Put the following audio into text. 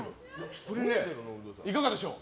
いかがでしょう？